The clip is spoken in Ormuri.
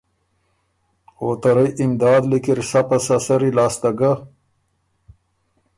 او ته رئ امداد لیکی ر سَۀ پسۀ سری لاسته ګۀ